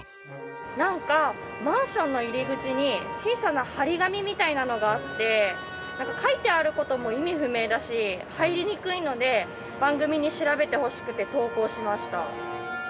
なんかマンションの入り口に小さな貼り紙みたいなのがあって書いてある事も意味不明だし入りにくいので番組に調べてほしくて投稿しました。